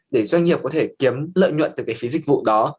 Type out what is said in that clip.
để doanh nghiệp có thể kiếm lợi nhuận từ cái phí dịch vụ đó